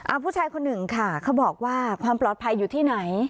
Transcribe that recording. ผู้ชายคนหนึ่งค่ะเขาบอกว่าความปลอดภัยอยู่ที่ไหน